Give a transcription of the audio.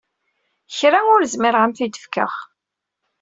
Kra ur zmireɣ ad m-t-id-fkeɣ.